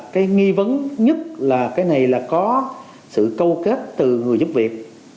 cái nghi vấn nhất là cái này là có sự câu kết từ người giúp việc